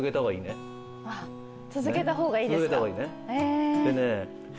続けた方がいいですか。